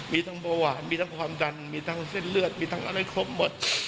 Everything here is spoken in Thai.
มีทั้งเบาหวานมีทั้งความดันมีทั้งเส้นเลือดมีทั้งอะไรครบหมด